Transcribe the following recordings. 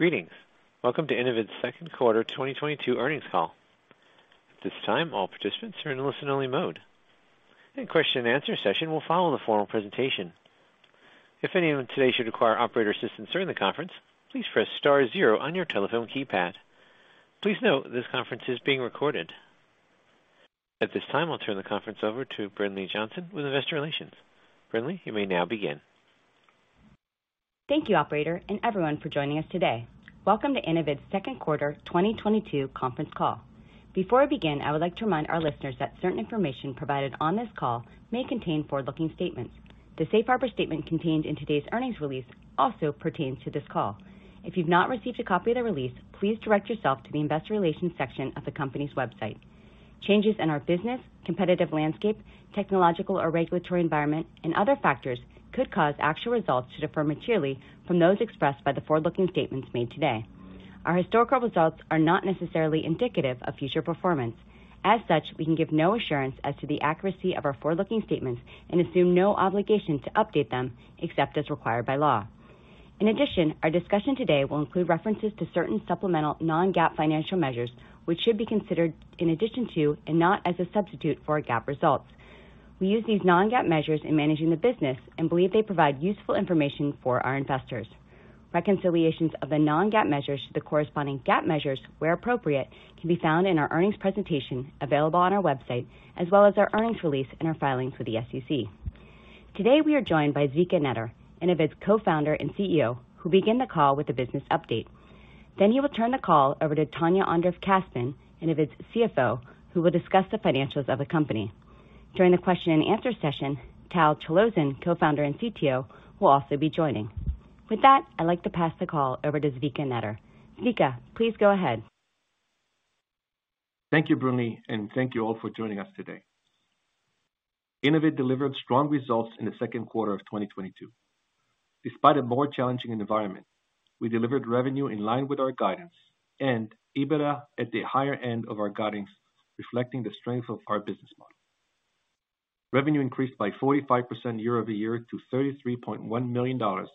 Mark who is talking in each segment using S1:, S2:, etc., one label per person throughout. S1: Greetings. Welcome to Innovid's second quarter 2022 earnings call. At this time all participants are in listen only mode. A question-and-answer session will follow the formal presentation. If anyone today should require operator assistance during the conference, please press star zero on your telephone keypad. Please note this conference is being recorded. At this time, I'll turn the conference over to Brinlea Johnson with investor relations. Brinlea, you may now begin.
S2: Thank you, Operator, and everyone for joining us today. Welcome to Innovid's second quarter 2022 conference call. Before I begin, I would like to remind our listeners that certain information provided on this call may contain forward-looking statements. The safe harbor statement contained in today's earnings release also pertains to this call. If you've not received a copy of the release, please direct yourself to the investor relations section of the company's website. Changes in our business, competitive landscape, technological or regulatory environment, and other factors could cause actual results to differ materially from those expressed by the forward-looking statements made today. Our historical results are not necessarily indicative of future performance. As such, we can give no assurance as to the accuracy of our forward-looking statements and assume no obligation to update them except as required by law. In addition, our discussion today will include references to certain supplemental non-GAAP financial measures, which should be considered in addition to and not as a substitute for our GAAP results. We use these non-GAAP measures in managing the business and believe they provide useful information for our investors. Reconciliations of the non-GAAP measures to the corresponding GAAP measures, where appropriate, can be found in our earnings presentation available on our website, as well as our earnings release and our filings with the SEC. Today we are joined by Zvika Netter, Innovid's Co-Founder and CEO, who'll begin the call with a business update. Then he will turn the call over to Tanya Andreev-Kaspin, Innovid's CFO, who will discuss the financials of the company. During the question-and-answer session, Tal Chalozin, Co-Founder and CTO, will also be joining. With that, I'd like to pass the call over to Zvika Netter. Zvika, please go ahead.
S3: Thank you, Brinlea, and thank you all for joining us today. Innovid delivered strong results in the second quarter of 2022. Despite a more challenging environment, we delivered revenue in line with our guidance and EBITDA at the higher end of our guidance, reflecting the strength of our business model. Revenue increased by 45% year-over-year to $33.1 million on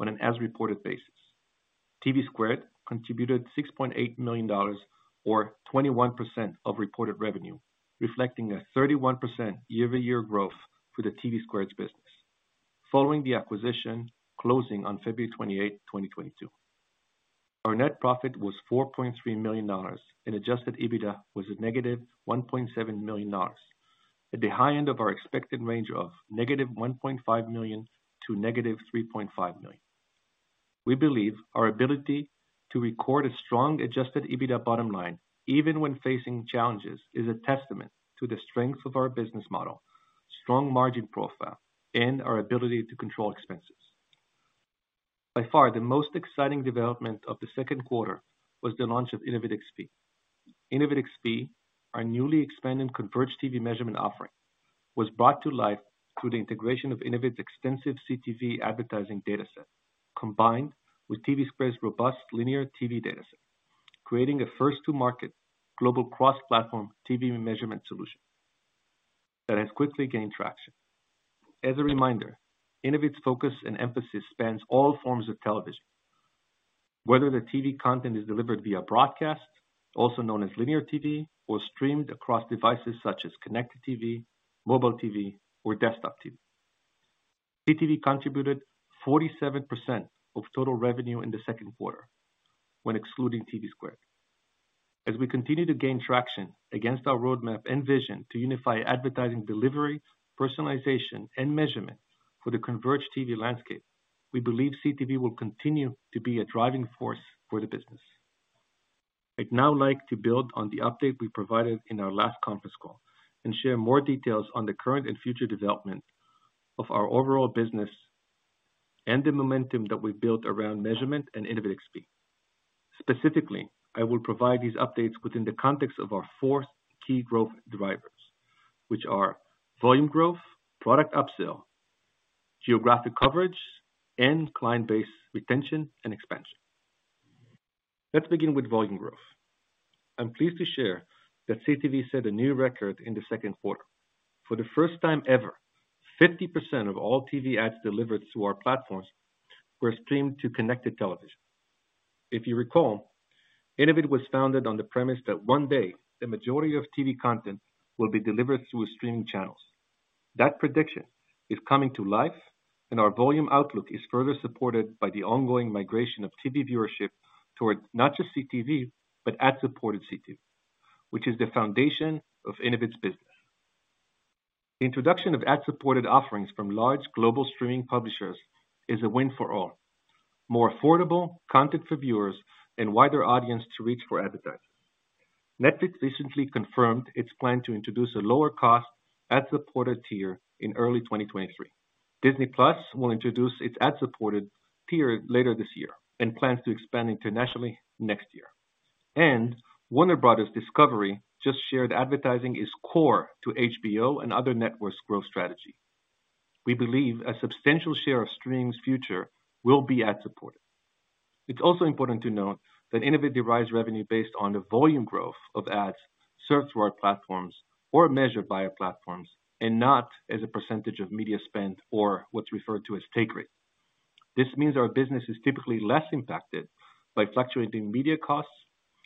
S3: an as reported basis. TVSquared contributed $6.8 million or 21% of reported revenue, reflecting a 31% year-over-year growth for the TVSquared's business following the acquisition closing on February 28, 2022. Our net profit was $4.3 million and adjusted EBITDA was a -$1.7 million. At the high end of our expected range of -$1.5 million to -$3.5 million. We believe our ability to record a strong adjusted EBITDA bottom line, even when facing challenges, is a testament to the strength of our business model, strong margin profile, and our ability to control expenses. By far, the most exciting development of the second quarter was the launch of InnovidXP. InnovidXP, our newly expanded converged TV measurement offering, was brought to life through the integration of Innovid's extensive CTV advertising dataset, combined with TVSquared's robust linear TV dataset, creating a first to market global cross-platform TV measurement solution that has quickly gained traction. As a reminder, Innovid's focus and emphasis spans all forms of television, whether the TV content is delivered via broadcast, also known as linear TV, or streamed across devices such as connected TV, mobile TV or desktop TV. CTV contributed 47% of total revenue in the second quarter when excluding TVSquared. As we continue to gain traction against our roadmap and vision to unify advertising delivery, personalization and measurement for the converged TV landscape, we believe CTV will continue to be a driving force for the business. I'd now like to build on the update we provided in our last conference call and share more details on the current and future development of our overall business and the momentum that we've built around measurement and InnovidXP. Specifically, I will provide these updates within the context of our fourth key growth drivers, which are volume growth, product upsell, geographic coverage, and client base retention and expansion. Let's begin with volume growth. I'm pleased to share that CTV set a new record in the second quarter. For the first time ever, 50% of all TV ads delivered through our platforms were streamed to connected television. If you recall, Innovid was founded on the premise that one day the majority of TV content will be delivered through streaming channels. That prediction is coming to life, and our volume outlook is further supported by the ongoing migration of TV viewership towards not just CTV, but ad-supported CTV, which is the foundation of Innovid's business. Introduction of ad-supported offerings from large global streaming publishers is a win for all. More affordable content for viewers and wider audience to reach for advertisers. Netflix recently confirmed its plan to introduce a lower cost ad-supported tier in early 2023. Disney+ will introduce its ad-supported tier later this year and plans to expand internationally next year. Warner Bros. Discovery just shared advertising is core to HBO and other networks' growth strategy. We believe a substantial share of streaming's future will be ad-supported. It's also important to note that Innovid derives revenue based on the volume growth of ads served through our platforms or measured by our platforms, and not as a percentage of media spend or what's referred to as take rate. This means our business is typically less impacted by fluctuating media costs.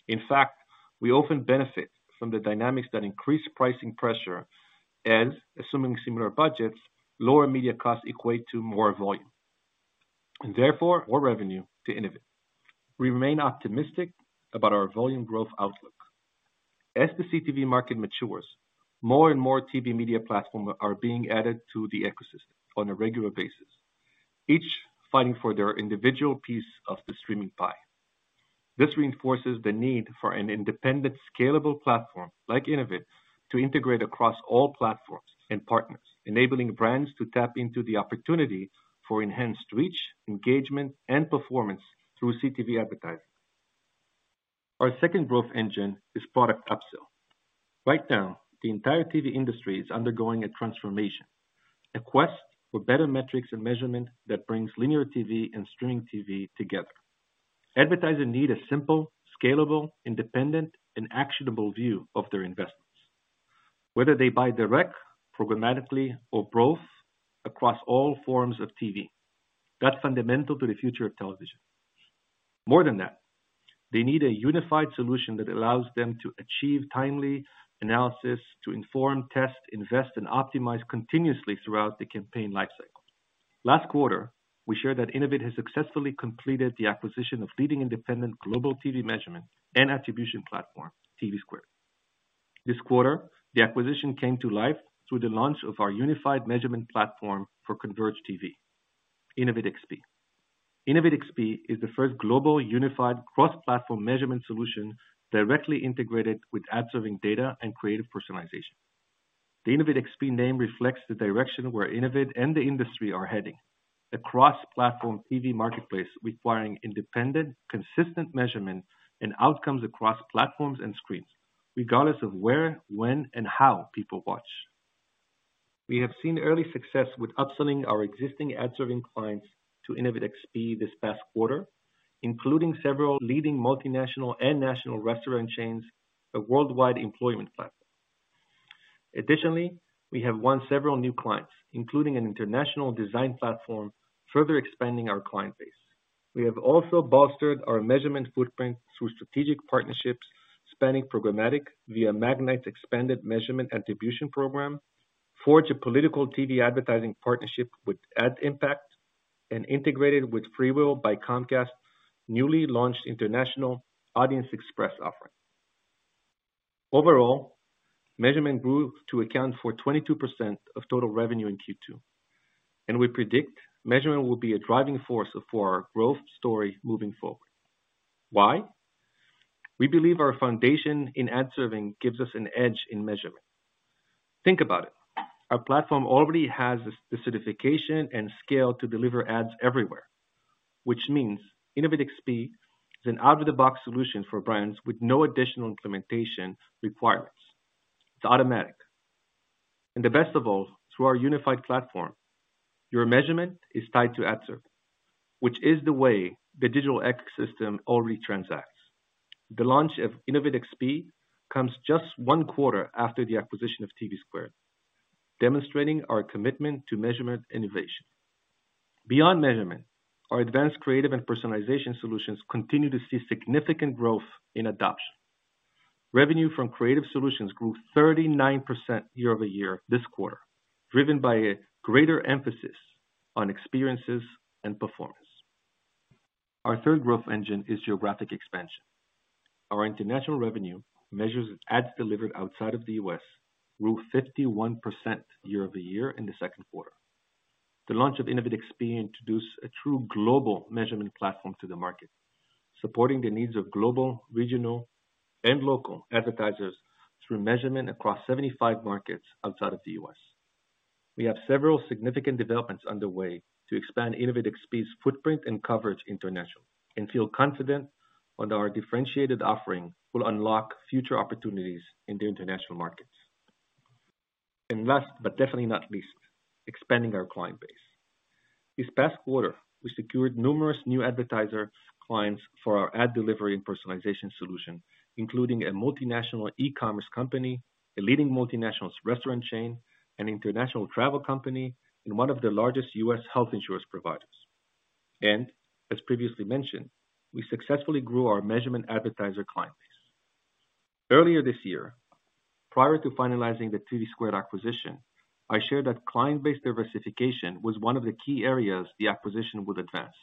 S3: In fact, we often benefit from the dynamics that increase pricing pressure and assuming similar budgets, lower media costs equate to more volume and therefore more revenue to Innovid. We remain optimistic about our volume growth outlook. As the CTV market matures, more and more TV media platforms are being added to the ecosystem on a regular basis, each fighting for their individual piece of the streaming pie. This reinforces the need for an independent, scalable platform like Innovid, to integrate across all platforms and partners, enabling brands to tap into the opportunity for enhanced reach, engagement and performance through CTV advertising. Our second growth engine is product upsell. Right now, the entire TV industry is undergoing a transformation, a quest for better metrics and measurement that brings linear TV and streaming TV together. Advertisers need a simple, scalable, independent and actionable view of their investments, whether they buy direct, programmatically or both across all forms of TV. That's fundamental to the future of television. More than that, they need a unified solution that allows them to achieve timely analysis to inform, test, invest, and optimize continuously throughout the campaign lifecycle. Last quarter, we shared that Innovid has successfully completed the acquisition of leading independent global TV measurement and attribution platform, TVSquared. This quarter, the acquisition came to life through the launch of our unified measurement platform for converged TV, InnovidXP. InnovidXP is the first global unified cross-platform measurement solution directly integrated with ad serving data and creative personalization. The InnovidXP name reflects the direction where Innovid and the industry are heading, a cross-platform TV marketplace requiring independent, consistent measurement and outcomes across platforms and screens, regardless of where, when, and how people watch. We have seen early success with upselling our existing ad serving clients to InnovidXP this past quarter, including several leading multinational and national restaurant chains, a worldwide employment platform. Additionally, we have won several new clients, including an international design platform, further expanding our client base. We have also bolstered our measurement footprint through strategic partnerships spanning programmatic via Magnite's expanded measurement attribution program, forged a political TV advertising partnership with AdImpact, and integrated with FreeWheel by Comcast's newly launched international AudienceXpress offering. Overall, measurement grew to account for 22% of total revenue in Q2, and we predict measurement will be a driving force for our growth story moving forward. Why? We believe our foundation in ad serving gives us an edge in measurement. Think about it. Our platform already has the specification and scale to deliver ads everywhere, which means InnovidXP is an out-of-the-box solution for brands with no additional implementation requirements. It's automatic. The best of all, through our unified platform, your measurement is tied to ad serve, which is the way the digital ecosystem already transacts. The launch of InnovidXP comes just one quarter after the acquisition of TVSquared, demonstrating our commitment to measurement innovation. Beyond measurement, our advanced creative and personalization solutions continue to see significant growth in adoption. Revenue from creative solutions grew 39% year-over-year this quarter, driven by a greater emphasis on experiences and performance. Our third growth engine is geographic expansion. Our international revenue, measures ads delivered outside of the U.S., grew 51% year-over-year in the second quarter. The launch of InnovidXP introduced a true global measurement platform to the market, supporting the needs of global, regional, and local advertisers through measurement across 75 markets outside of the U.S. We have several significant developments underway to expand InnovidXP's footprint and coverage internationally, and feel confident that our differentiated offering will unlock future opportunities in the international markets. Last but definitely not least, expanding our client base. This past quarter, we secured numerous new advertiser clients for our ad delivery and personalization solution, including a multinational e-commerce company, a leading multinational restaurant chain, an international travel company, and one of the largest U.S. health insurance providers. As previously mentioned, we successfully grew our measurement advertiser client base. Earlier this year, prior to finalizing the TVSquared acquisition, I shared that client-based diversification was one of the key areas the acquisition would advance.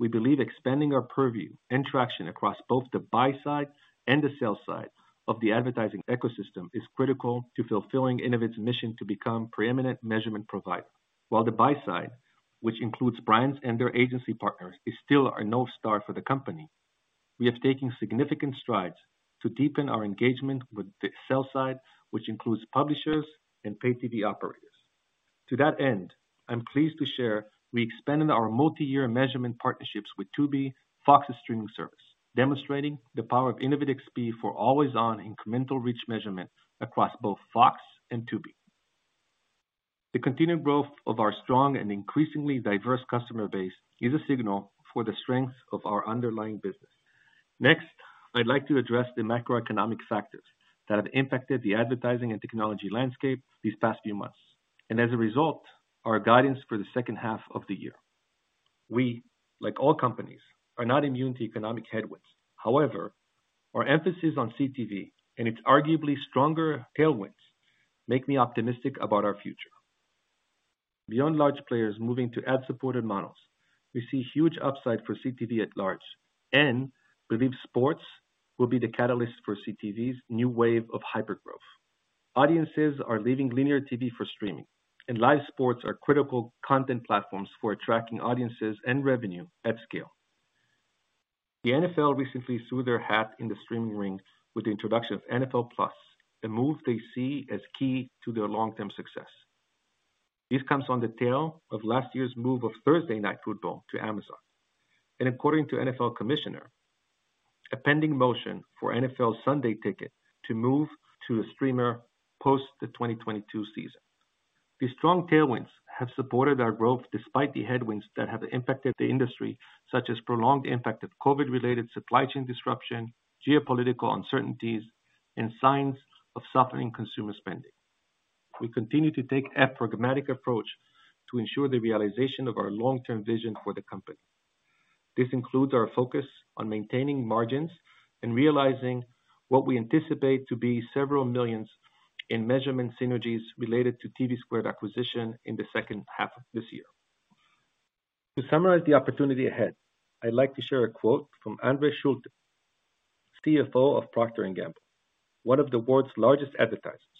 S3: We believe expanding our purview and traction across both the buy side and the sell side of the advertising ecosystem is critical to fulfilling Innovid's mission to become preeminent measurement provider. While the buy side, which includes brands and their agency partners, is still our north star for the company, we have taken significant strides to deepen our engagement with the sell side, which includes publishers and pay TV operators. To that end, I'm pleased to share we expanded our multi-year measurement partnerships with Tubi, Fox's streaming service, demonstrating the power of InnovidXP for always on incremental reach measurement across both Fox and Tubi. The continued growth of our strong and increasingly diverse customer base is a signal for the strength of our underlying business. Next, I'd like to address the macroeconomic factors that have impacted the advertising and technology landscape these past few months, and as a result, our guidance for the second half of the year. We, like all companies, are not immune to economic headwinds. However, our emphasis on CTV and its arguably stronger tailwinds make me optimistic about our future. Beyond large players moving to ad-supported models, we see huge upside for CTV at large and believe sports will be the catalyst for CTV's new wave of hypergrowth. Audiences are leaving linear TV for streaming, and live sports are critical content platforms for attracting audiences and revenue at scale. The NFL recently threw their hat in the streaming ring with the introduction of NFL+, a move they see as key to their long-term success. This comes on the tail of last year's move of Thursday Night Football to Amazon, and according to NFL commissioner, a pending motion for NFL Sunday Ticket to move to a streamer post the 2022 season. These strong tailwinds have supported our growth despite the headwinds that have impacted the industry, such as prolonged impact of COVID-related supply chain disruption, geopolitical uncertainties, and signs of softening consumer spending. We continue to take a programmatic approach to ensure the realization of our long-term vision for the company. This includes our focus on maintaining margins and realizing what we anticipate to be several millions in measurement synergies related to TVSquared acquisition in the second half of this year. To summarize the opportunity ahead, I'd like to share a quote from Andre Schulten, CFO of Procter & Gamble, one of the world's largest advertisers.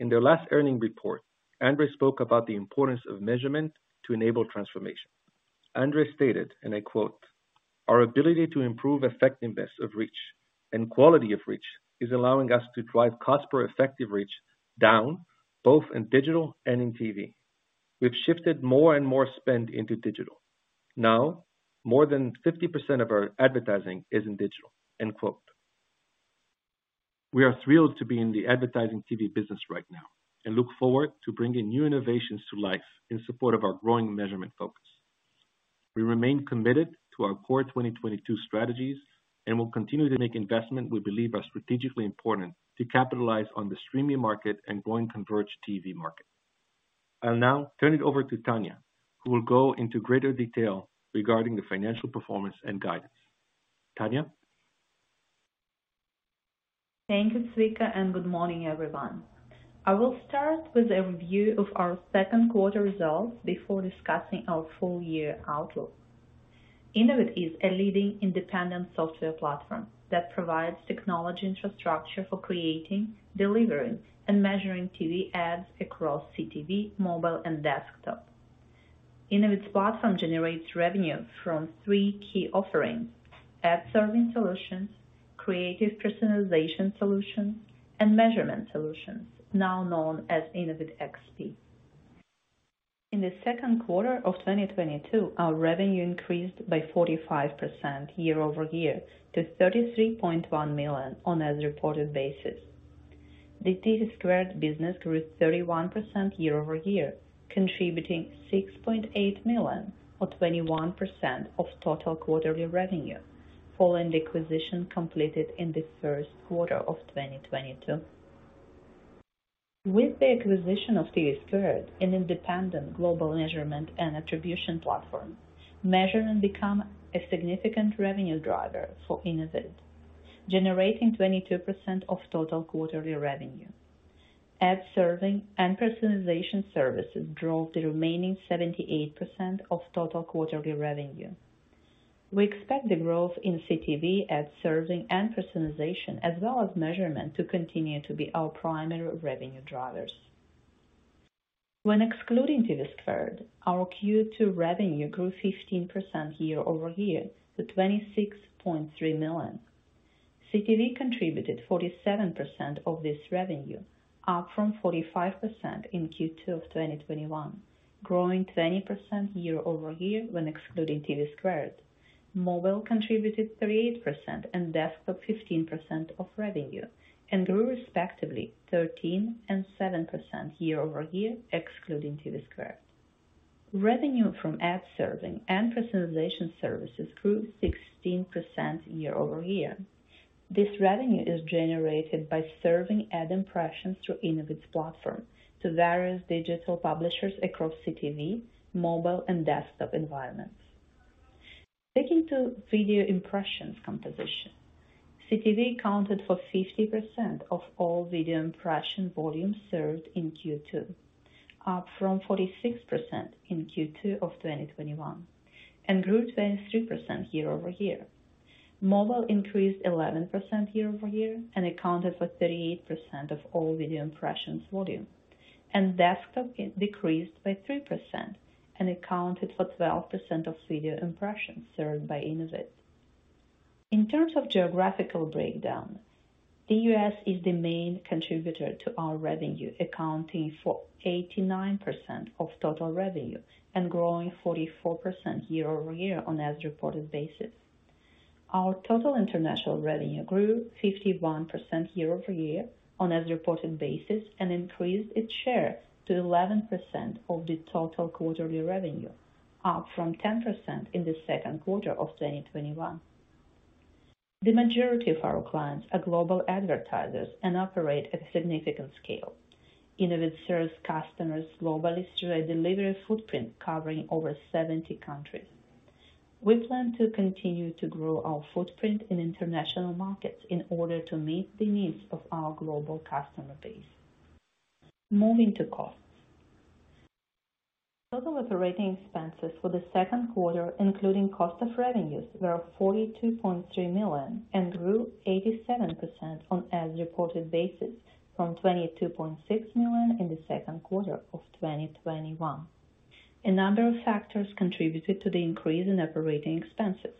S3: In their last earnings report, Andre spoke about the importance of measurement to enable transformation. Andre Schulten stated, and I quote, our ability to improve effectiveness of reach and quality of reach is allowing us to drive cost per effective reach down, both in digital and in TV. We've shifted more and more spend into digital. Now, more than 50% of our advertising is in digital. End quote. We are thrilled to be in the advertising TV business right now and look forward to bringing new innovations to life in support of our growing measurement focus. We remain committed to our core 2022 strategies and will continue to make investment we believe are strategically important to capitalize on the streaming market and growing converged TV market. I'll now turn it over to Tanya, who will go into greater detail regarding the financial performance and guidance. Tanya.
S4: Thank you, Zvika, and good morning, everyone. I will start with a review of our second quarter results before discussing our full year outlook. Innovid is a leading independent software platform that provides technology infrastructure for creating, delivering, and measuring TV ads across CTV, mobile, and desktop. Innovid's platform generates revenue from three key offerings: ad serving solutions, creative personalization solutions, and measurement solutions, now known as InnovidXP. In the second quarter of 2022, our revenue increased by 45% year-over-year to $33.1 million on an as-reported basis. The TVSquared business grew 31% year-over-year, contributing $6.8 million or 21% of total quarterly revenue following the acquisition completed in the first quarter of 2022. With the acquisition of TVSquared, an independent global measurement and attribution platform, measurement become a significant revenue driver for Innovid, generating 22% of total quarterly revenue. Ad serving and personalization services drove the remaining 78% of total quarterly revenue. We expect the growth in CTV ad serving and personalization as well as measurement to continue to be our primary revenue drivers. When excluding TVSquared, our Q2 revenue grew 15% year-over-year to $26.3 million. CTV contributed 47% of this revenue, up from 45% in Q2 of 2021, growing 20% year-over-year when excluding TVSquared. Mobile contributed 38% and desktop 15% of revenue, and grew respectively 13% and 7% year-over-year, excluding TVSquared. Revenue from ad serving and personalization services grew 16% year-over-year. This revenue is generated by serving ad impressions through Innovid's platform to various digital publishers across CTV, mobile, and desktop environments. Turning to video impressions composition, CTV accounted for 50% of all video impression volume served in Q2, up from 46% in Q2 of 2021, and grew 23% year-over-year. Mobile increased 11% year-over-year, and accounted for 38% of all video impressions volume. Desktop decreased by 3%, and accounted for 12% of video impressions served by Innovid. In terms of geographical breakdown, the U.S. is the main contributor to our revenue, accounting for 89% of total revenue and growing 44% year-over-year on as reported basis. Our total international revenue grew 51% year-over-year on as reported basis and increased its share to 11% of the total quarterly revenue, up from 10% in the second quarter of 2021. The majority of our clients are global advertisers and operate at a significant scale. Innovid serves customers globally through a delivery footprint covering over 70 countries. We plan to continue to grow our footprint in international markets in order to meet the needs of our global customer base. Moving to costs. Total operating expenses for the second quarter, including cost of revenues, were $42.3 million, and grew 87% on as reported basis from $22.6 million in the second quarter of 2021. A number of factors contributed to the increase in operating expenses.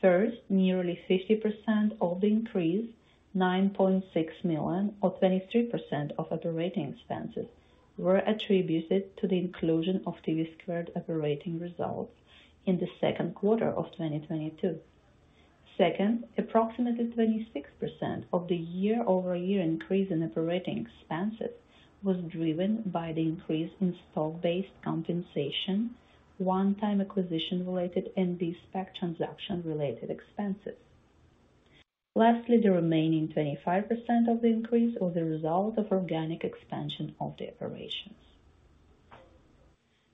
S4: First, nearly 50% of the increase, $9.6 million or 23% of operating expenses, were attributed to the inclusion of TVSquared operating results in the second quarter of 2022. Second, approximately 26% of the year-over-year increase in operating expenses was driven by the increase in stock-based compensation, one-time acquisition related and de-SPAC transaction related expenses. Lastly, the remaining 25% of the increase was a result of organic expansion of the operations.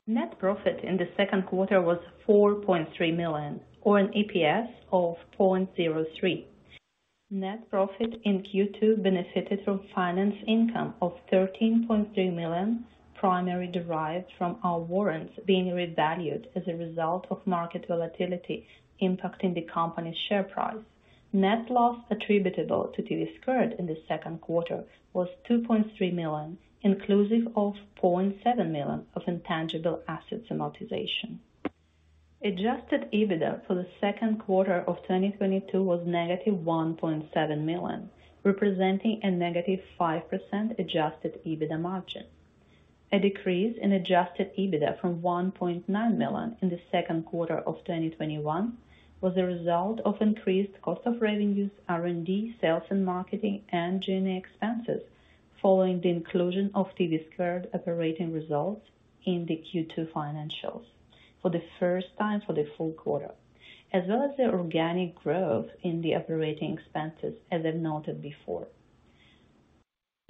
S4: Net profit in the second quarter was $4.3 million or an EPS of $0.03. Net profit in Q2 benefited from finance income of $13.3 million, primarily derived from our warrants being revalued as a result of market volatility impacting the company's share price. Net loss attributable to TVSquared in the second quarter was $2.3 million, inclusive of $0.7 million of intangible assets amortization. Adjusted EBITDA for the second quarter of 2022 was -$1.7 million, representing a -5% adjusted EBITDA margin. A decrease in adjusted EBITDA from $1.9 million in the second quarter of 2021 was a result of increased cost of revenues, R&D, sales and marketing, and G&A expenses following the inclusion of TVSquared operating results in the Q2 financials for the first time for the full quarter, as well as the organic growth in the operating expenses, as I've noted before.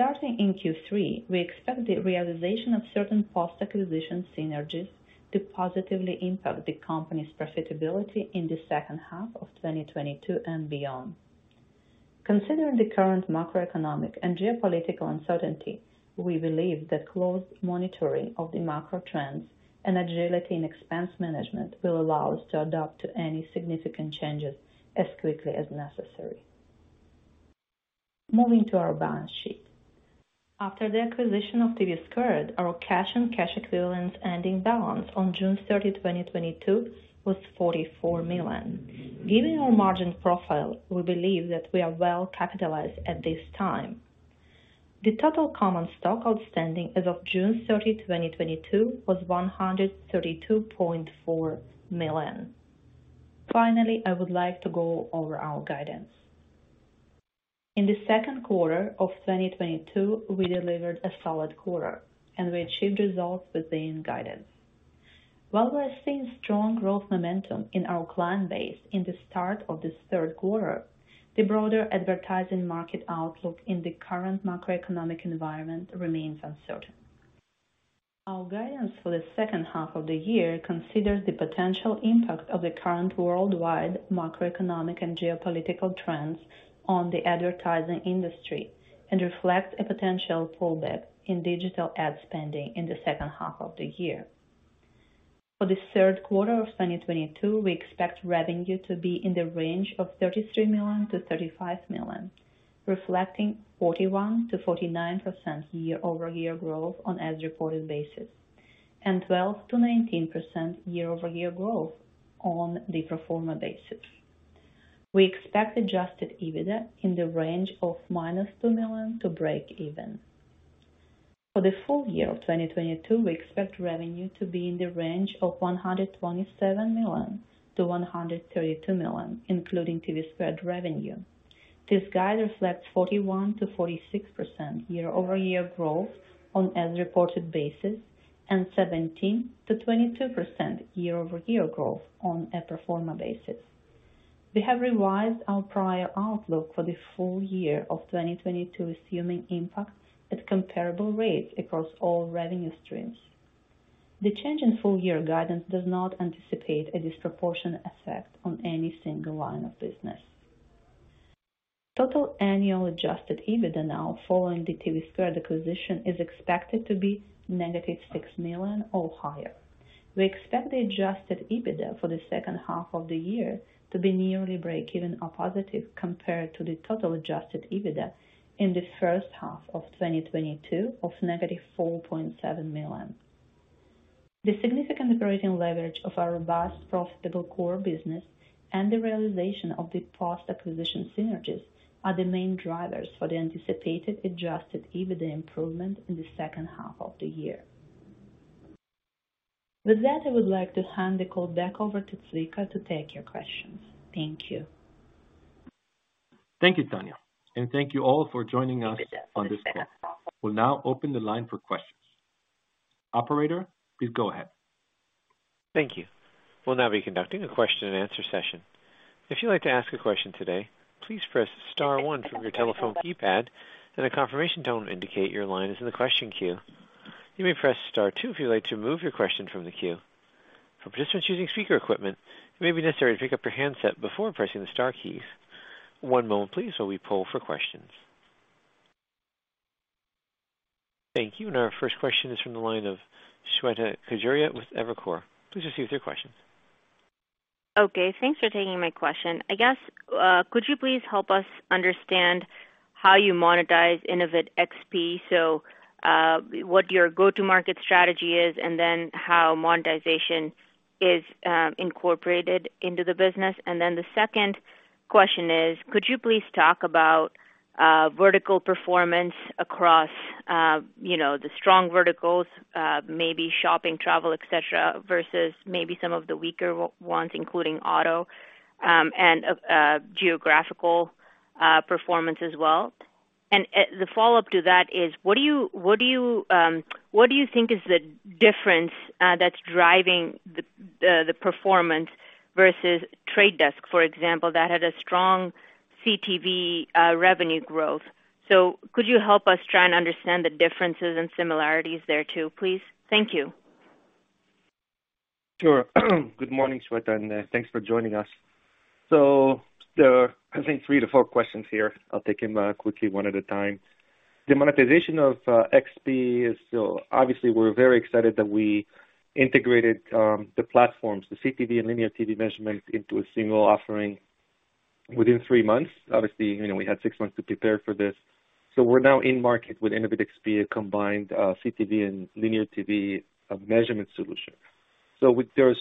S4: Starting in Q3, we expect the realization of certain post-acquisition synergies to positively impact the company's profitability in the second half of 2022 and beyond. Considering the current macroeconomic and geopolitical uncertainty, we believe that close monitoring of the macro trends and agility in expense management will allow us to adapt to any significant changes as quickly as necessary. Moving to our balance sheet. After the acquisition of TVSquared, our cash and cash equivalents ending balance on June 30, 2022 was $44 million. Given our margin profile, we believe that we are well capitalized at this time. The total common stock outstanding as of June 30, 2022 was 132.4 million. Finally, I would like to go over our guidance. In the second quarter of 2022, we delivered a solid quarter and we achieved results within guidance. While we are seeing strong growth momentum in our client base in the start of this third quarter, the broader advertising market outlook in the current macroeconomic environment remains uncertain. Our guidance for the second half of the year considers the potential impact of the current worldwide macroeconomic and geopolitical trends on the advertising industry and reflects a potential pullback in digital ad spending in the second half of the year. For the third quarter of 2022, we expect revenue to be in the range of $33 million-$35 million, reflecting 41%-49% year-over-year growth on as reported basis, and 12%-19% year-over-year growth on the pro forma basis. We expect adjusted EBITDA in the range of -$2 million to breakeven. For the full year of 2022, we expect revenue to be in the range of $127 million-$132 million, including TVSquared revenue. This guide reflects 41%-46% year-over-year growth on as reported basis and 17%-22% year-over-year growth on a pro forma basis. We have revised our prior outlook for the full year of 2022, assuming impact at comparable rates across all revenue streams. The change in full year guidance does not anticipate a disproportionate effect on any single line of business. Total annual adjusted EBITDA now following the TVSquared acquisition is expected to be -$6 million or higher. We expect the adjusted EBITDA for the second half of the year to be nearly breakeven or positive compared to the total adjusted EBITDA in the first half of 2022 of -$4.7 million. The significant operating leverage of our robust, profitable core business and the realization of the past acquisition synergies are the main drivers for the anticipated adjusted EBITDA improvement in the second half of the year. With that, I would like to hand the call back over to Zvika to take your questions. Thank you.
S3: Thank you, Tanya, and thank you all for joining us on this call. We'll now open the line for questions. Operator, please go ahead.
S1: Thank you. We'll now be conducting a question-and-answer session. If you'd like to ask a question today, please press star one from your telephone keypad, and a confirmation tone will indicate your line is in the question queue. You may press star two if you'd like to remove your question from the queue. For participants using speaker equipment, it may be necessary to pick up your handset before pressing the star keys. One moment please, while we poll for questions. Thank you. Our first question is from the line of Shweta Khajuria with Evercore. Please proceed with your question.
S5: Okay, thanks for taking my question. I guess, could you please help us understand how you monetize InnovidXP? What your go-to-market strategy is and then how monetization is incorporated into the business. Then the second question is, could you please talk about vertical performance across, you know, the strong verticals, maybe shopping, travel, et cetera, versus maybe some of the weaker ones, including auto, and geographical performance as well? The follow-up to that is what do you think is the difference that's driving the performance versus The Trade Desk, for example, that had a strong CTV revenue growth? Could you help us try and understand the differences and similarities there too, please? Thank you.
S3: Sure. Good morning, Shweta, and thanks for joining us. There are, I think, three to four questions here. I'll take them quickly one at a time. The monetization of XP is still, obviously, we're very excited that we integrated the platforms, the CTV and linear TV measurements into a single offering within three months. Obviously, you know, we had six months to prepare for this. We're now in market with InnovidXP, a combined CTV and linear TV measurement solution. With those,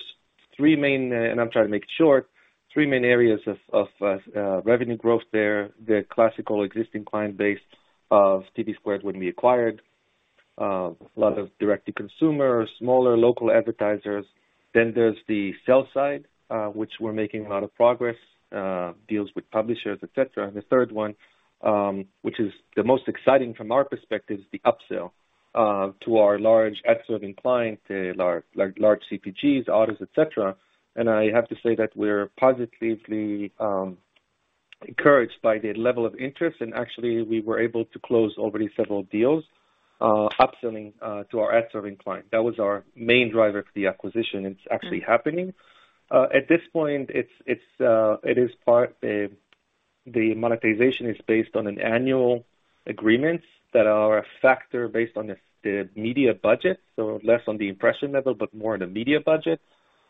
S3: and I'm trying to make it short, areas of revenue growth there, the classic existing client base of TVSquared when we acquired a lot of direct-to-consumers, smaller local advertisers. There's the sell side, which we're making a lot of progress, deals with publishers, et cetera. The third one, which is the most exciting from our perspective, is the upsell to our large ad-serving client, large CPGs, autos, et cetera. I have to say that we're positively encouraged by the level of interest. Actually, we were able to close already several deals, upselling to our ad-serving client. That was our main driver for the acquisition. It's actually happening. At this point, it is part. The monetization is based on annual agreements that are a factor based on the media budget, so less on the impression level, but more on the media budget,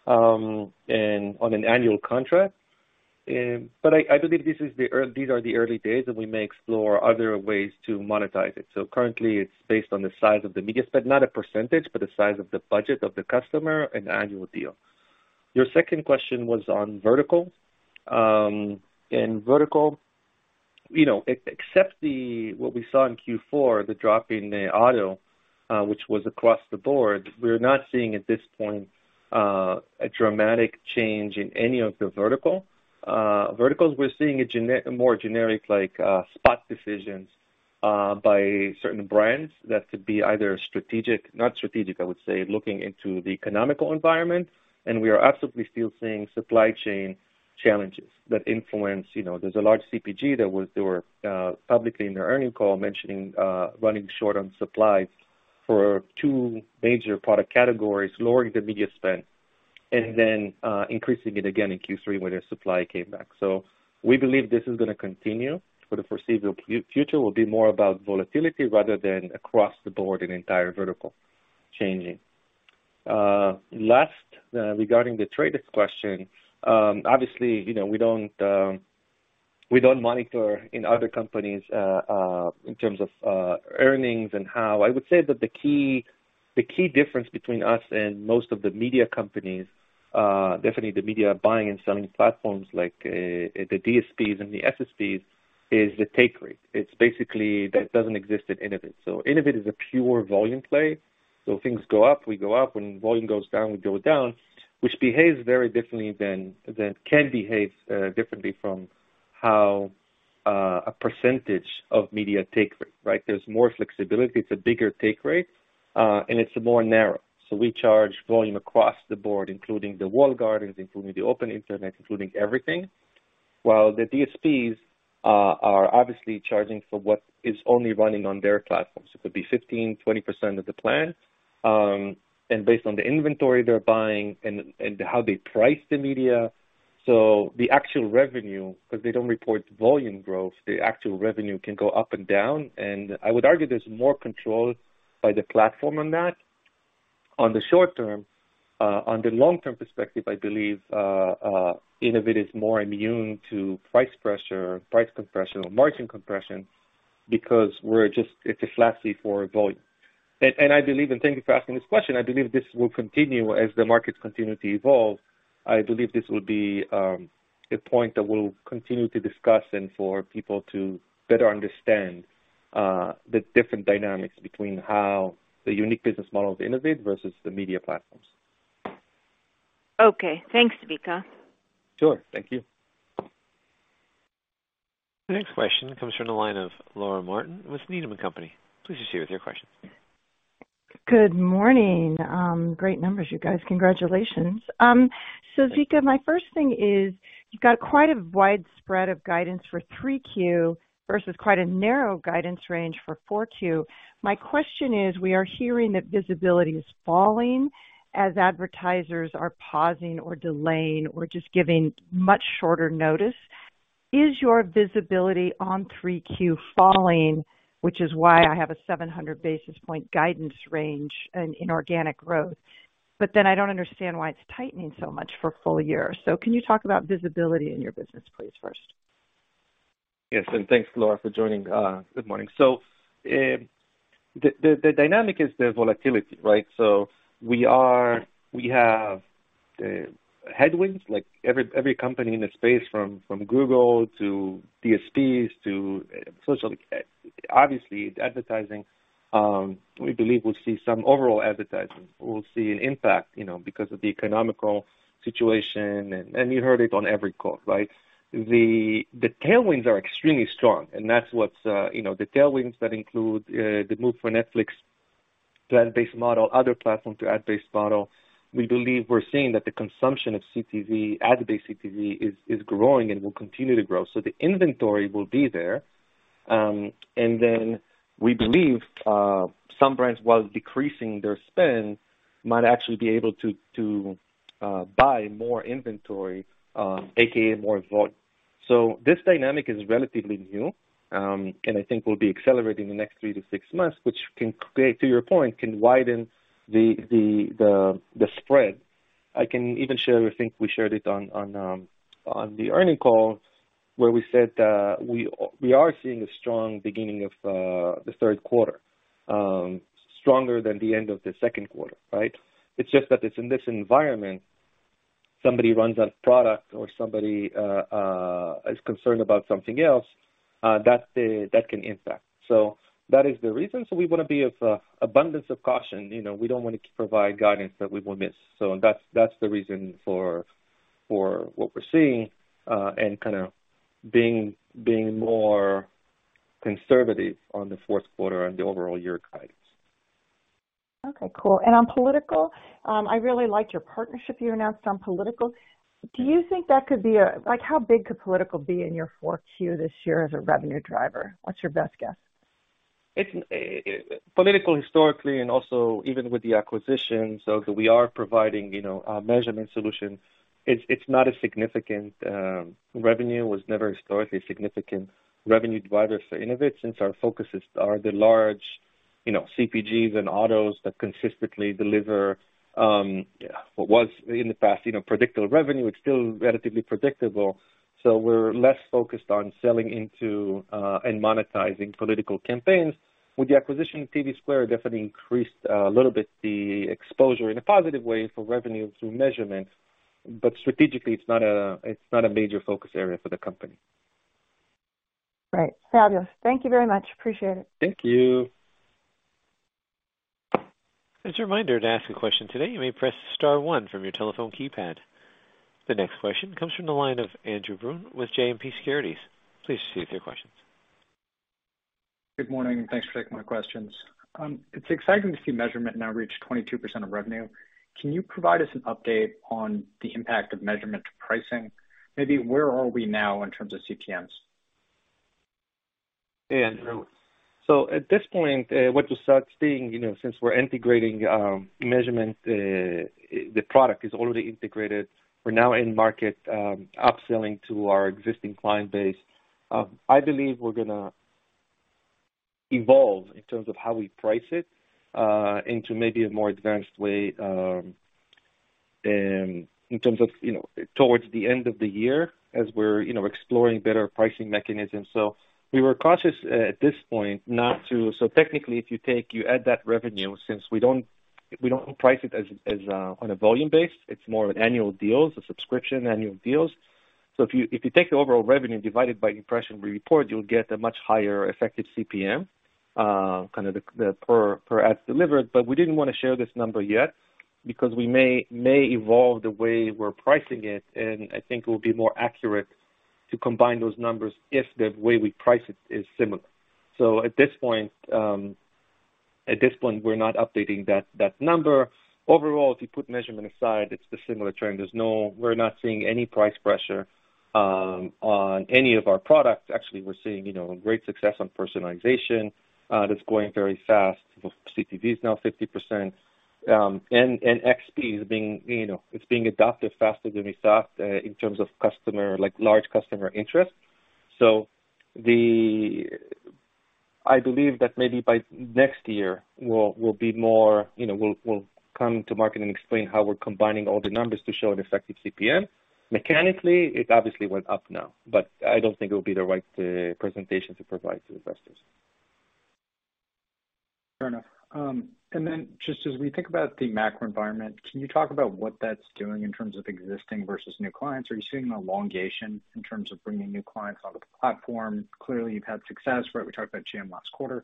S3: and on an annual contract. I believe these are the early days, and we may explore other ways to monetize it. Currently it's based on the size of the media spend, not a percentage, but the size of the budget of the customer and annual deal. Your second question was on vertical. In vertical, you know, except what we saw in Q4, the drop in the auto, which was across the board, we're not seeing at this point a dramatic change in any of the verticals. We're seeing a more generic, like, spot decisions by certain brands that could be either strategic. Not strategic, I would say, looking into the economic environment. We are absolutely still seeing supply chain challenges that influence. You know, there's a large CPG that was publicly in their earnings call mentioning running short on supplies for two major product categories, lowering the media spend and then increasing it again in Q3 when their supply came back. We believe this is gonna continue for the foreseeable future. It will be more about volatility rather than across the board, an entire vertical changing. Last, regarding The Trade Desk question, obviously, you know, we don't monitor other companies in terms of earnings and how. I would say that the key difference between us and most of the media companies, definitely the media buying and selling platforms like the DSPs and the SSPs, is the take rate. It's basically that doesn't exist at Innovid. Innovid is a pure volume play, so things go up, we go up, when volume goes down, we go down, which can behave very differently from how a percentage of media take rate, right? There's more flexibility, it's a bigger take rate, and it's more narrow. We charge volume across the board, including the walled gardens, including the open internet, including everything, while the DSPs are obviously charging for what is only running on their platforms. It could be 15%-20% of the plan, and based on the inventory they're buying and how they price the media. Because they don't report volume growth, the actual revenue can go up and down. I would argue there's more control by the platform on that, on the short term. On the long-term perspective, I believe Innovid is more immune to price pressure, price compression or margin compression because it's a flat fee for volume. I believe, and thank you for asking this question, this will continue as the markets continue to evolve. I believe this will be a point that we'll continue to discuss and for people to better understand the different dynamics between how the unique business models Innovid versus the media platforms.
S5: Okay. Thanks, Zvika.
S3: Sure. Thank you.
S1: The next question comes from the line of Laura Martin with Needham & Company. Please proceed with your question.
S6: Good morning. Great numbers, you guys. Congratulations. Zvika, my first thing is you've got quite a wide spread of guidance for 3Q versus quite a narrow guidance range for 4Q. My question is, we are hearing that visibility is falling as advertisers are pausing or delaying or just giving much shorter notice. Is your visibility on 3Q falling? Which is why I have a 700 basis points guidance range in organic growth. Then I don't understand why it's tightening so much for full year. Can you talk about visibility in your business, please, first?
S3: Yes, thanks, Laura, for joining. Good morning. The dynamic is the volatility, right? We have headwinds like every company in the space, from Google to DSPs to social. Obviously, it's advertising. We believe we'll see some overall advertising. We'll see an impact, you know, because of the economic situation. You heard it on every call, right? The tailwinds are extremely strong and that's what's the tailwinds that include the move for Netflix to ad-based model, other platforms to ad-based model. We believe we're seeing that the consumption of CTV, ad-based CTV is growing and will continue to grow. The inventory will be there. Then we believe some brands, while decreasing their spend, might actually be able to buy more inventory, a.k.a. more volume. This dynamic is relatively new, and I think will be accelerating the next three to six months, which can create, to your point, can widen the spread. I can even share, I think we shared it on the earnings call, where we said we are seeing a strong beginning of the third quarter, stronger than the end of the second quarter, right? It's just that it's in this environment, somebody runs out of product or somebody is concerned about something else, that can impact. That is the reason. We want to be of abundance of caution. You know, we don't want to provide guidance that we will miss. That's the reason for what we're seeing and kind of being more conservative on the fourth quarter and the overall year guidance.
S6: Okay, cool. On political, I really liked your partnership you announced on political. Do you think that could be like, how big could political be in your 4Q this year as a revenue driver? What's your best guess?
S3: It's political, historically, and also even with the acquisitions, so we are providing, you know, measurement solutions. It's not a significant. Revenue was never historically a significant revenue driver for Innovid, since our focuses are the large, you know, CPGs and autos that consistently deliver what was in the past, you know, predictable revenue. It's still relatively predictable. We're less focused on selling into and monetizing political campaigns. With the acquisition of TVSquared, it definitely increased a little bit, the exposure in a positive way for revenue through measurement. Strategically, it's not a major focus area for the company.
S6: Right. Fabulous. Thank you very much. Appreciate it.
S3: Thank you.
S1: As a reminder, to ask a question today, you may press star one from your telephone keypad. The next question comes from the line of Andrew Boone with JMP Securities. Please proceed with your questions.
S7: Good morning. Thanks for taking my questions. It's exciting to see measurement now reach 22% of revenue. Can you provide us an update on the impact of measurement to pricing? Maybe where are we now in terms of CPMs?
S3: Yeah, Andrew. At this point, what you start seeing, you know, since we're integrating measurement, the product is already integrated. We're now in market, upselling to our existing client base. I believe we're gonna evolve in terms of how we price it, into maybe a more advanced way, in terms of, you know, towards the end of the year as we're, you know, exploring better pricing mechanisms. We were cautious at this point not to. Technically, if you take, you add that revenue, since we don't price it as on a volume basis, it's more of annual deals, a subscription, annual deals. If you take the overall revenue divided by impressions we report, you'll get a much higher effective CPM, kind of the per ads delivered. We didn't wanna share this number yet because we may evolve the way we're pricing it, and I think it will be more accurate to combine those numbers if the way we price it is similar. At this point we're not updating that number. Overall, if you put measurement aside, it's the similar trend. We're not seeing any price pressure on any of our products. Actually, we're seeing, you know, great success on personalization, that's growing very fast. CTV is now 50%, and XP is being, you know, it's being adopted faster than we thought in terms of customer, like, large customer interest. I believe that maybe by next year, we'll be more, you know, we'll come to market and explain how we're combining all the numbers to show an effective CPM. Mechanically, it obviously went up now, but I don't think it would be the right presentation to provide to investors.
S7: Fair enough. Just as we think about the macro environment, can you talk about what that's doing in terms of existing versus new clients? Are you seeing an elongation in terms of bringing new clients onto the platform? Clearly, you've had success, right? We talked about GM last quarter.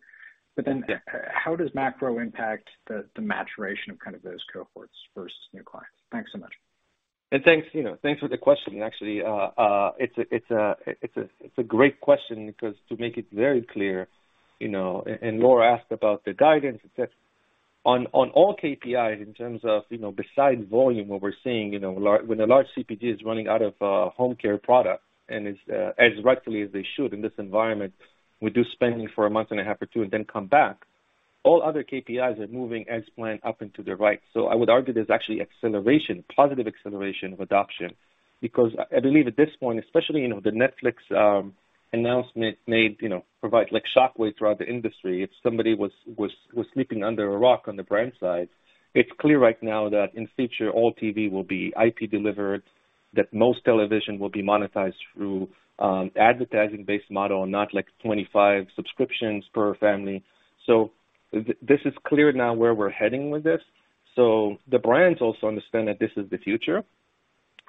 S7: How does macro impact the maturation of kind of those cohorts versus new clients? Thanks so much.
S3: Thanks, you know, thanks for the question. Actually, it's a great question 'cause to make it very clear, you know, and Laura asked about the guidance, et cetera. On all KPIs in terms of, you know, besides volume, what we're seeing, you know, when a large CPG is running out of home care product, and as rightfully as they should in this environment, reduce spending for a month and a half or two and then come back. All other KPIs are moving as planned up into the right. I would argue there's actually acceleration, positive acceleration of adoption. Because I believe at this point, especially, you know, the Netflix announcement made a shockwave throughout the industry. If somebody was sleeping under a rock on the brand side, it's clear right now that in future, all TV will be IP delivered. That most television will be monetized through advertising-based model and not like 25 subscriptions per family. This is clear now where we're heading with this. The brands also understand that this is the future.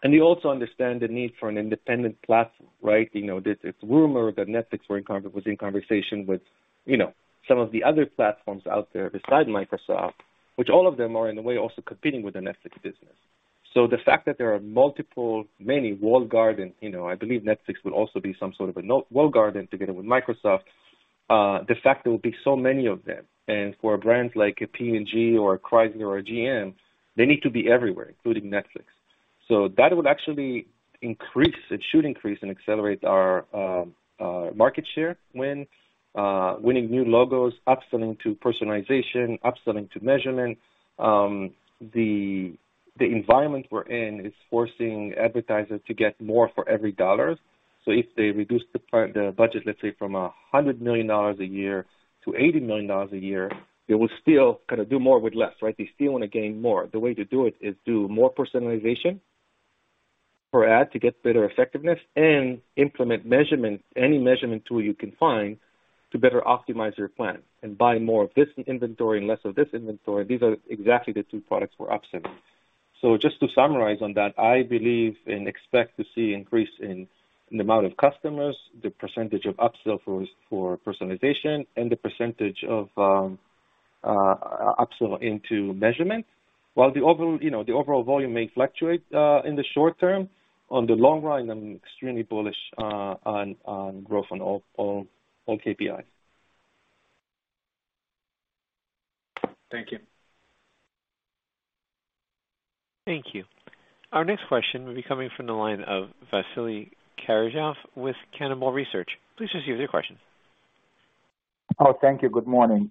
S3: They also understand the need for an independent platform, right? You know, this is rumored that Netflix was in conversation with, you know, some of the other platforms out there besides Microsoft, which all of them are in a way, also competing with the Netflix business. The fact that there are multiple, many walled gardens, you know, I believe Netflix will also be some sort of a walled garden together with Microsoft. The fact there will be so many of them. For brands like P&G or Chrysler or GM, they need to be everywhere, including Netflix. That would actually increase. It should increase and accelerate our market share win. Winning new logos, upselling to personalization, upselling to measurement. The environment we're in is forcing advertisers to get more for every dollar. If they reduce the budget, let's say from $100 million a year to $80 million a year, they will still kinda do more with less, right? They still wanna gain more. The way to do it is do more personalization for ad to get better effectiveness and implement measurement, any measurement tool you can find to better optimize your plan and buy more of this inventory and less of this inventory. These are exactly the two products we're upselling. Just to summarize on that, I believe and expect to see increase in the amount of customers, the percentage of upsell for personalization, and the percentage of upsell into measurement. While you know, the overall volume may fluctuate in the short term, on the long run, I'm extremely bullish on growth on all KPIs.
S7: Thank you.
S1: Thank you. Our next question will be coming from the line of Vasily Karasyov with Cannonball Research. Please just use your question.
S8: Oh, thank you. Good morning.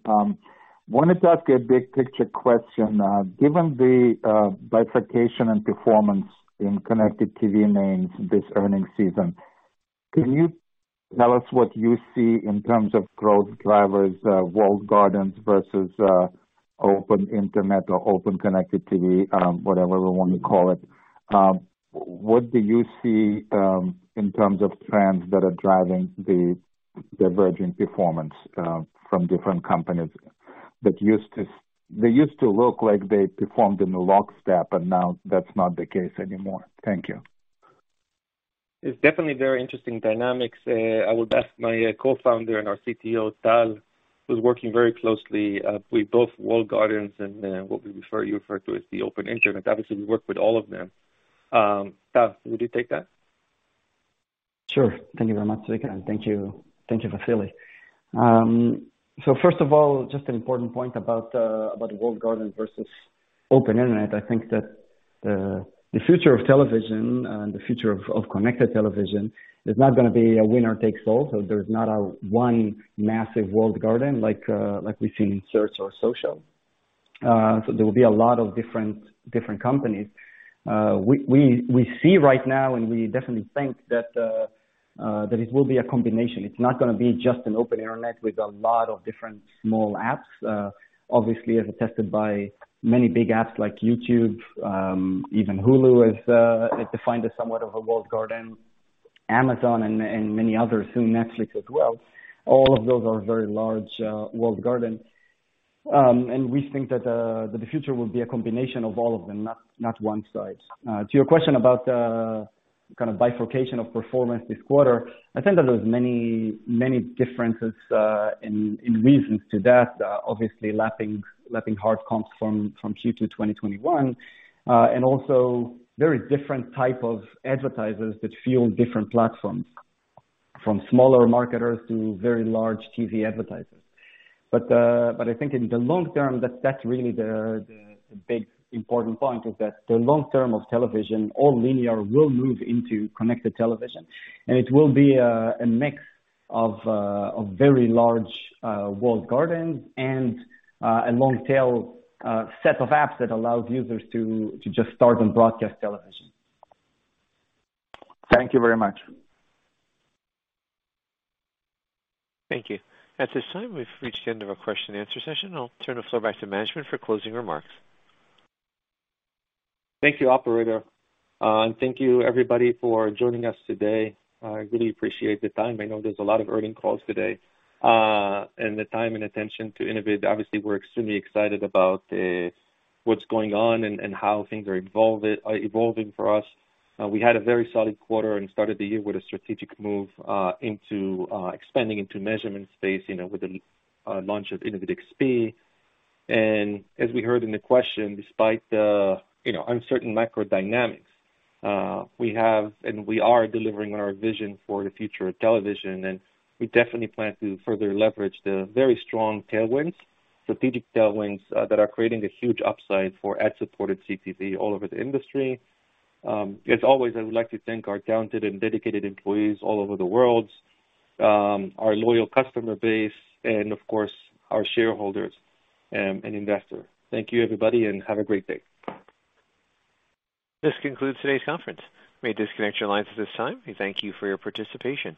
S8: Wanted to ask a big picture question. Given the bifurcation and performance in connected TV names this earnings season, can you tell us what you see in terms of growth drivers, walled gardens versus open internet or open connected TV, whatever we want to call it. What do you see in terms of trends that are driving the divergent performance from different companies that used to look like they performed in lockstep, and now that's not the case anymore. Thank you.
S3: It's definitely very interesting dynamics. I will ask my co-founder and our CTO, Tal, who's working very closely with both walled gardens and what you referred to as the open internet. Obviously, we work with all of them. Tal, would you take that?
S9: Sure. Thank you very much, Zvika, and thank you, Vasily. First of all, just an important point about walled garden versus open internet. I think that the future of television and the future of connected television is not gonna be a winner takes all. There's not a one massive walled garden like we've seen in search or social. There will be a lot of different companies. We see right now, and we definitely think that it will be a combination. It's not gonna be just an open internet with a lot of different small apps. Obviously, as attested by many big apps like YouTube, even Hulu is defined as somewhat of a walled garden. Amazon and many others, soon Netflix as well. All of those are very large walled gardens. We think that the future will be a combination of all of them, not one side. To your question about kinda bifurcation of performance this quarter, I think that there's many differences and reasons to that. Obviously, lapping hard comps from Q2 2021. Also very different type of advertisers that fuel different platforms, from smaller marketers to very large TV advertisers. I think in the long term, that's really the big important point is that the long term of television or linear will move into connected television. It will be a mix of very large walled gardens and a long tail set of apps that allows users to just start on broadcast television.
S8: Thank you very much.
S1: Thank you. At this time, we've reached the end of our question-and-answer session. I'll turn the floor back to management for closing remarks.
S3: Thank you, Operator. Thank you everybody for joining us today. I really appreciate the time. I know there's a lot of earnings calls today and the time and attention to Innovid. Obviously, we're extremely excited about what's going on and how things are evolving for us. We had a very solid quarter and started the year with a strategic move into expanding into measurement space, you know, with the launch of InnovidXP. As we heard in the question, despite the uncertain macro dynamics, we have and we are delivering on our vision for the future of television. We definitely plan to further leverage the very strong tailwinds, strategic tailwinds, that are creating a huge upside for ad-supported CTV all over the industry. As always, I would like to thank our talented and dedicated employees all over the world, our loyal customer base, and of course, our shareholders, and investors. Thank you, everybody, and have a great day.
S1: This concludes today's conference. You may disconnect your lines at this time. We thank you for your participation.